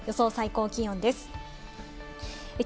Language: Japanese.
予想最高気温です。